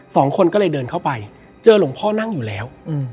สองคนก็เลยเดินเข้าไปเจอหลวงพ่อนั่งอยู่แล้วอืม